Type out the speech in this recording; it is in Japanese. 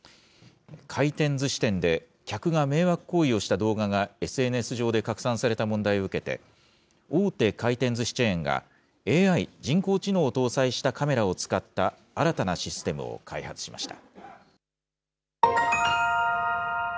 回転ずし店で客が迷惑行為をした動画がＳＮＳ上で拡散された問題を受けて、大手回転ずしチェーンが、ＡＩ・人工知能を搭載したカメラを使った新たなシステムを開発しました。